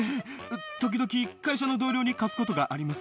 時々会社の同僚に貸すことがあります。